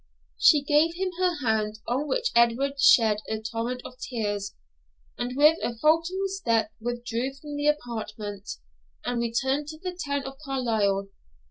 She gave him her hand, on which Edward shed a torrent of tears, and with a faltering step withdrew from the apartment, and returned to the town of Carlisle.